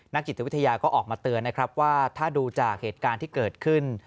นักจิตวิทยาก็ออกมาเตือนนะครับว่าถ้าดูจากเหตุการณ์ที่เกิดขึ้น